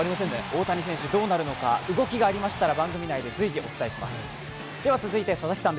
大谷選手、どうなるのか、動きがありましたら番組内で随時お伝えします。